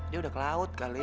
dia udah ke laut kali ya